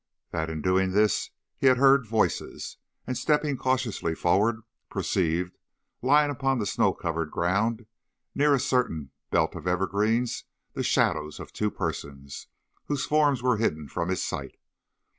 That in doing this he had heard voices, and, stepping cautiously forward, perceived, lying upon the snow covered ground, near a certain belt of evergreens, the shadows of two persons, whose forms were hidden from his sight.